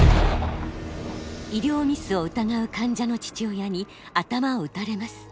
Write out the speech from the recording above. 医療ミスを疑う患者の父親に頭を撃たれます。